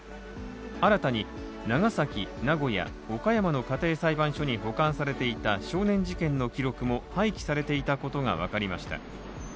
新たに長崎、名古屋、岡山の家庭裁判所に保管されていた少年事件の記録も廃棄されていたことが分かりました。